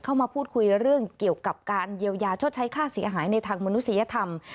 เข้ามาพูดคุยเรื่องเกี่ยวกับการเยียวยาชดใช้ค่าเสียหายในทางมนุษยธรรม